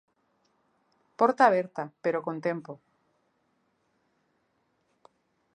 "Porta aberta", pero con tempo.